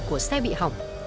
một xe bị hỏng